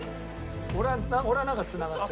俺はなんかつながったよ。